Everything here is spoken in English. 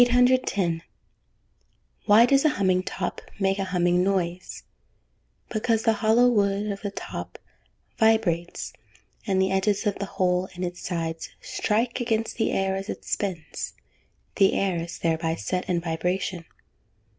810. Why does a humming top make a humming noise? Because the hollow wood of the top vibrates, and the edges of the hole in its sides strike against the air as it spins; the air is thereby set in vibration.